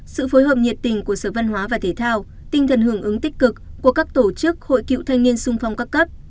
sự phối hợp nhiệt tình của sở văn hóa và thể thao tinh thần hưởng ứng tích cực của các tổ chức hội cựu thanh niên sung phong các cấp